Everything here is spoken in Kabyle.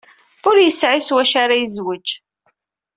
Ur yesɛi s wacu ara yezwej.